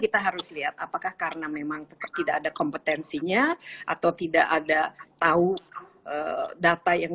kita harus lihat apakah karena memang tidak ada kompetensinya atau tidak ada tahu data yang